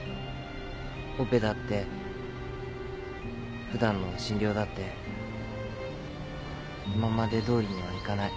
オペだってふだんの診療だって今までどおりにはいかない。